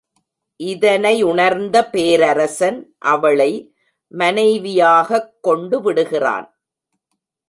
இதனையுணர்ந்த பேரரசன் அவளை மனைவியாகக் கொண்டுவிடுகிறான்.